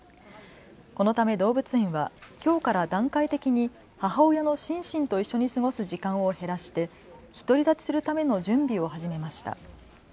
このため動物園はきょうから段階的に母親のシンシンと一緒に過ごす時間を減らして独り立ちするための準備を始めました。